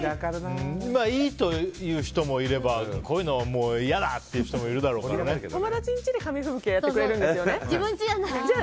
いいという人もいればこういうの、嫌だっていう人も友達んちで紙吹雪やってくれるんですよね。